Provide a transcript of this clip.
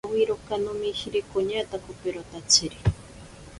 Awiroka nomishiri koñatakoperotatsiri.